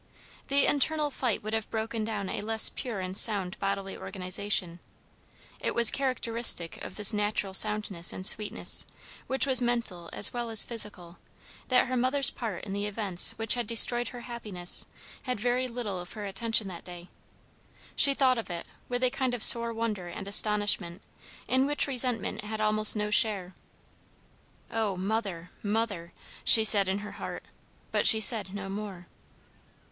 The internal fight would have broken down a less pure and sound bodily organization. It was characteristic of this natural soundness and sweetness, which was mental as well as physical, that her mother's part in the events which had destroyed her happiness had very little of her attention that day. She thought of it with a kind of sore wonder and astonishment, in which resentment had almost no share. "O, mother, mother!" she said in her heart; but she said no more.